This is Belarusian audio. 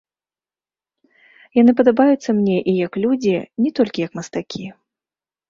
Яны падабаюцца мне і як людзі, не толькі як мастакі.